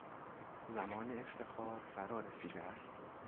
زمان افتخار فرا رسیده است.